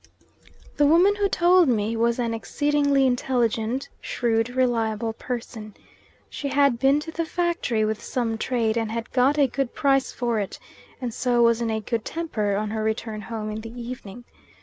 The woman who told me was an exceedingly intelligent, shrewd, reliable person. She had been to the factory with some trade, and had got a good price for it, and so was in a good temper on her return home in the evening.